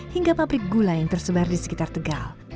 hingga pabrik gula yang tersebar di sekitar tegal